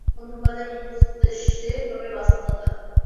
অনুবাদের মূল উদ্দেশ্য পাবে বাস্তবতা।